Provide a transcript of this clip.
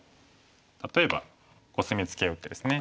例えばコスミツケを打ってですね。